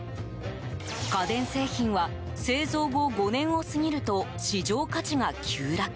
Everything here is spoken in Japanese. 家電製品は製造後５年を過ぎると市場価値が急落。